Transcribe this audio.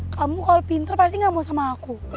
kamu kalau pinter pasti gak mau sama aku